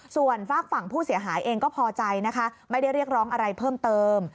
ส่วนฝากฝั่งผู้เสียหายเองก็พอใจนะคะไม่ได้เรียกร้องอะไรเพิ่มเติม